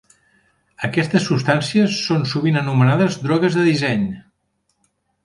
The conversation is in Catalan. Aquestes substàncies són sovint anomenades drogues de disseny.